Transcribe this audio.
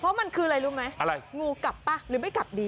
เพราะมันคืออะไรรู้ไหมอะไรงูกลับป่ะหรือไม่กลับดี